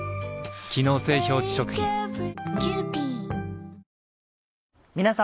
機能性表示食品皆様。